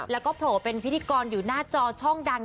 แล้วก็โผล่เป็นพิธีกรอยู่หน้าจอช่องดัง